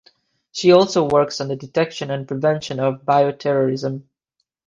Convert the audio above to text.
She also works on the detection and prevention of bioterrorism.